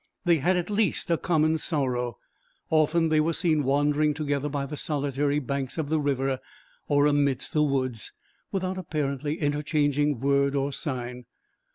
They had at least a common sorrow; often they were seen wandering together by the solitary banks of the river, or amidst the woods, without apparently interchanging word or sign.